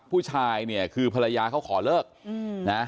ผู้ชายเนี่ยคือภรรยาเขาขอเลิกนะ